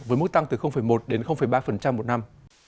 với mức tăng từ một đến ba một năm